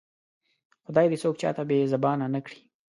خدای دې څوک چاته بې زبانه نه کړي